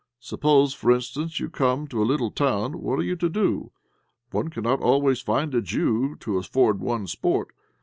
Suppose, for instance, you come to a little town; what are you to do? One cannot always find a Jew to afford one sport.